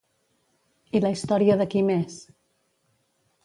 I la història de qui més?